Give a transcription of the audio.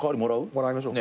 もらいましょう。